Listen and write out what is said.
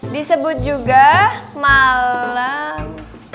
disebut juga malam